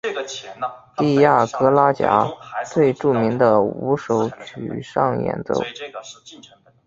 蒂亚格拉贾最著名的五首曲上演奏。